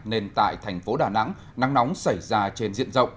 nên tại thành phố đà nẵng nắng nóng xảy ra trên diện rộng